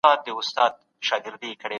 هغه د مونوګراف لیکلو ته ډېر اهمیت ورکوي.